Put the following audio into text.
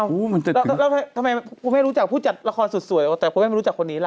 แล้วทำไมคุณแม่รู้จักผู้จัดละครสุดสวยแต่คุณแม่ไม่รู้จักคนนี้ล่ะ